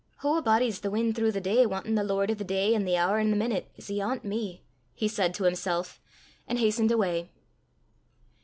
"Hoo a body 's to win throuw the day wantin' the lord o' the day an' the hoor an' the meenute, 's 'ayont me!" he said to himself, and hastened away.